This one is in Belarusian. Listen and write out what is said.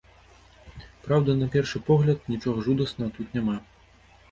Праўда, на першы погляд, нічога жудаснага тут няма.